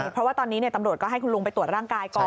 เพราะว่าตอนนี้ตำรวจก็ให้คุณลุงไปตรวจร่างกายก่อน